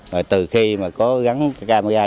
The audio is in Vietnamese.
rồi từ khi mà có gắn camera